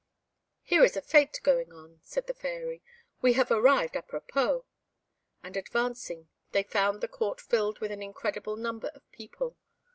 "Here is a fête going on," said the Fairy; "we have arrived à propos;" and advancing, they found the court filled with an incredible number of people.